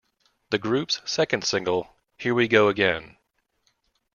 The group's second single, Here We Go Again!